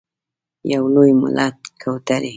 یو لوی ملت کوترې…